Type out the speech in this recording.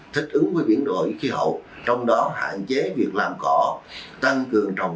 thích ứng với biến đổi khí hậu trong đó hạn chế việc làm cỏ tăng cường trồng